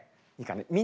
いいかな？